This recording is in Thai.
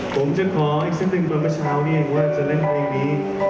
ผมจึงขออีกสักหนึ่งคนเมื่อเช้านี้เองว่าจะเล่นเพลงนี้